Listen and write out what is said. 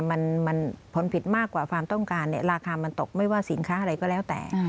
มันผลผิดมากกว่าความต้องการเนี่ยราคามันตกไม่ว่าสินค้าอะไรก็แล้วแต่